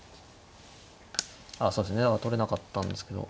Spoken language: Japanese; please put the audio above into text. そうですね取れなかったんですけど。